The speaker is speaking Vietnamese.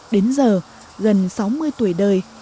đến giờ gần sáu mươi tuổi đời